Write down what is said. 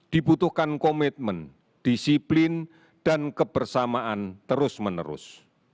dibutuhkan komitmen disiplin dan kebersamaan terus menerus